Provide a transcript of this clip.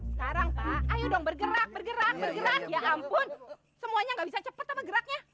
sekarang pak ayo dong bergerak bergerak ya ampun semuanya gak bisa cepat apa geraknya